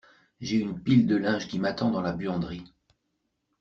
J’ai une pile de linge qui m’attend dans la buanderie.